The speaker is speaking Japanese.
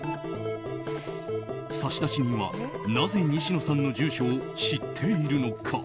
差出人は、なぜ西野さんの住所を知っているのか。